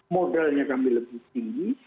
modalnya kami lebih tinggi